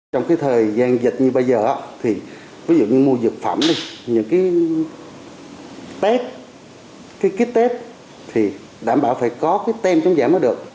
trong cái thời gian dịch như bây giờ á thì ví dụ như mua dược phẩm đi những cái test cái kit test thì đảm bảo phải có cái tem chống giả mới được